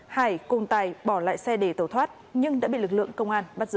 hải cùng tài bỏ lại xe để tẩu thoát nhưng đã bị lực lượng công an bắt giữ